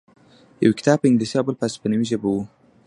یو کتاب په انګلیسي او بل په هسپانوي ژبه و